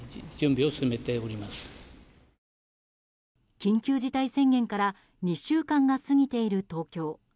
緊急事態宣言から２週間が過ぎている東京。